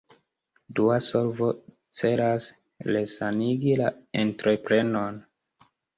Dua solvo celas resanigi la entreprenon.